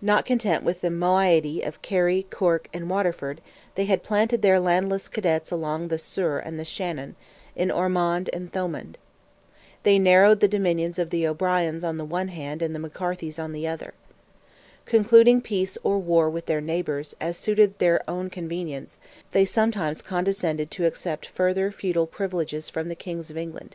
Not content with the moiety of Kerry, Cork, and Waterford, they had planted their landless cadets along the Suir and the Shannon, in Ormond and Thomond. They narrowed the dominions of the O'Briens on the one hand and the McCarthys on the other. Concluding peace or war with their neighbours, as suited their own convenience, they sometimes condescended to accept further feudal privileges from the Kings of England.